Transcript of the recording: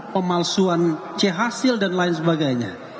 pemalsuan c hasil dan lain sebagainya